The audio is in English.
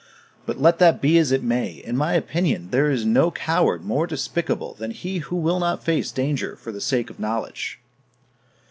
But let that be as it may! In my opinion, there is no coward more despicable than he who will not face danger for the sake of knowledge.